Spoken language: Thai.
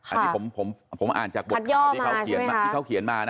อันนี้ผมอ่านจากบทข่าวที่เขาเขียนมานะ